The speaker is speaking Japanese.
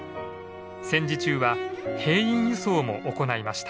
戦時中は兵員輸送も行いました。